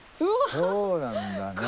そうなんだね。